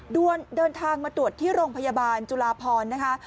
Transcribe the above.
เดินทางมาตรวจที่โรงพยาบาลจุลาพรนะคะ